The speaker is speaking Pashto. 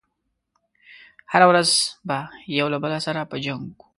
هره ورځ به يو له بل سره په جنګ و.